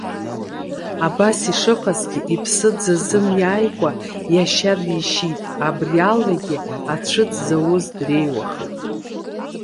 Абас ишыҟазгьы, иԥсы дзазымиааикәа иашьа дишьит, абри алагьы ацәыӡ зауз дреиуахеит.